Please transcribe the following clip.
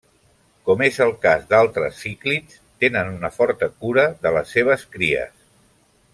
Com és el cas d'altres cíclids, tenen una forta cura de les seves cries.